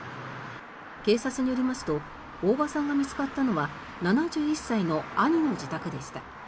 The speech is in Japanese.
警察によりますと大場さんが見つかったのは７１歳の兄の自宅でした。